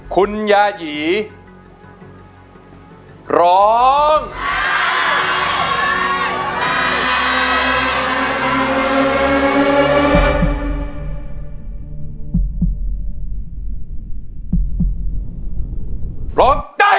คุณยายร้องได้